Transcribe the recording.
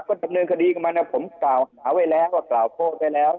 ก็เสริมเกิดคดีกับมานะครับผมสาวกำหนังไว้แหละกล่าวโภคได้แล้ว